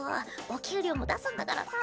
お給料も出すんだからさ。